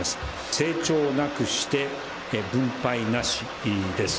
成長なくして分配なしです。